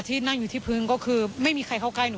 ส่วนรถที่นายสอนชัยขับอยู่ระหว่างการรอให้ตำรวจสอบ